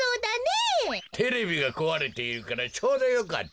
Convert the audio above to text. テレビがこわれているからちょうどよかった。